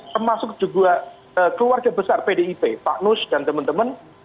termasuk juga keluarga besar pdip pak nus dan teman teman